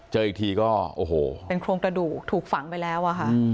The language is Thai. เจออีกทีก็โอ้โหเป็นโครงกระดูกถูกฝังไปแล้วอะค่ะ